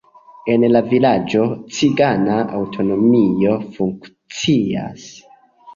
En la vilaĝo cigana aŭtonomio funkcias.